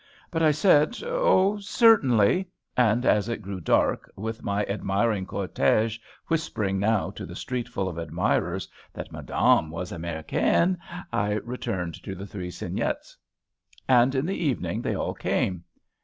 But I said, "Oh, certainly!" and, as it grew dark, with my admiring cortége whispering now to the street full of admirers that madame was Americaine, I returned to the Three Cygnets. And in the evening they all came.